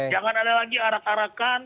jangan ada lagi arak arakan